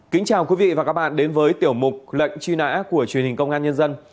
kính chào quý vị và các bạn đến với tiểu mục lệnh truy nã của truyền hình công an nhân dân